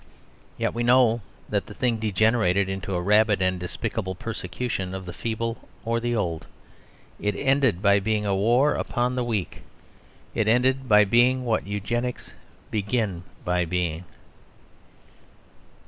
Yet we know that the thing degenerated into a rabid and despicable persecution of the feeble or the old. It ended by being a war upon the weak. It ended by being what Eugenics begins by being.